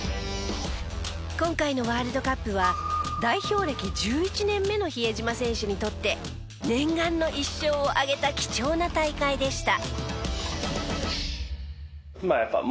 今回のワールドカップは代表歴１１年目の比江島選手にとって念願の一勝を挙げた貴重な大会でした。